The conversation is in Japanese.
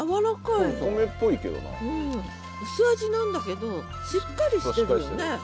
薄味なんだけどしっかりしてるよね。